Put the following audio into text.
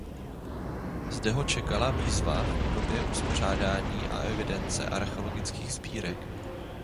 Zde ho čekala výzva v podobě uspořádání a evidence archeologických sbírek.